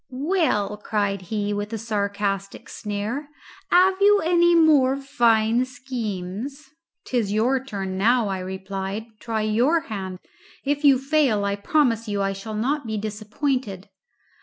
"Well," cried he, with a sarcastic sneer, "have you any more fine schemes?" "'Tis your turn now," I replied. "Try your hand. If you fail, I promise you I shall not be disappointed."